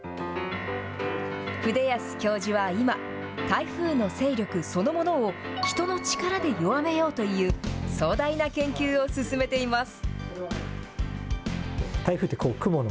筆保教授は今、台風の勢力そのものを、人の力で弱めようという壮大な研究を進めています。